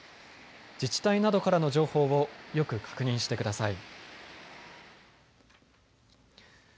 自治体などからの情報をよく確認してください。